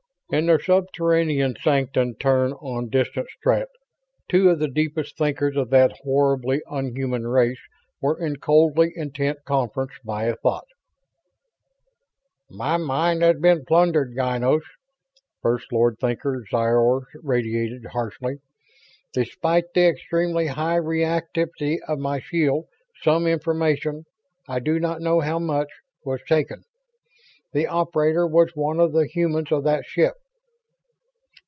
In their subterranean sanctum turn on distant Strett, two of the deepest thinkers of that horribly unhuman race were in coldly intent conference via thought. "My mind has been plundered, Ynos," First Lord Thinker Zoyar radiated, harshly. "Despite the extremely high reactivity of my shield some information I do not know how much was taken. The operator was one of the humans of that ship."